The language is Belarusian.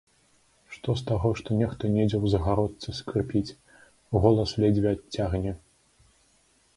Што з таго, што нехта недзе ў загародцы скрыпіць, голас ледзьве адцягне?